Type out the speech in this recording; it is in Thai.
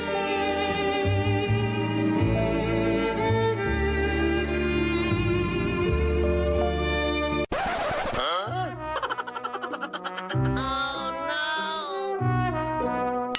โอ้โฮ